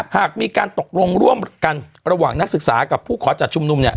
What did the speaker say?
หากมีการตกลงร่วมกันระหว่างนักศึกษากับผู้ขอจัดชุมนุมเนี่ย